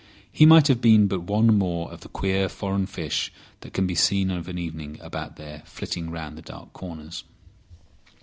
He might have been but one more of the queer foreign fish that can be seen of an evening about there flitting round the dark corners.